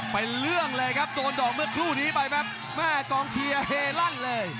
เป็นเรื่องเลยครับโดนดอกเมื่อครู่นี้ไปแบบแม่กองเชียร์เฮลั่นเลย